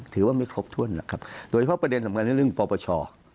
ถือว่าไม่ครบทุนโดยเพราะประดนสำคัญอันเรื่องปรปช